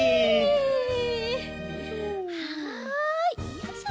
よいしょ。